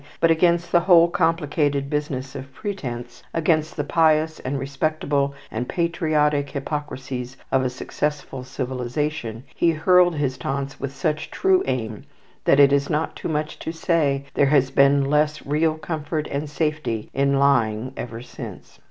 But against the whole complicated business of pretence, against the pious, and respectable, and patriotic hypocrisies of a successful civilization, he hurled his taunts with such true aim that it is not too much to say there has been less real comfort and safety in lying ever since.